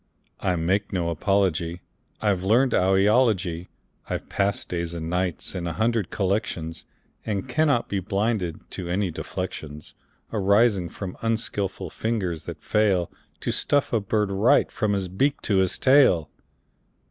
I make no apology; I've learned owl eology. I've passed days and nights in a hundred collections, And cannot be blinded to any deflections Arising from unskilful fingers that fail To stuff a bird right, from his beak to his tail.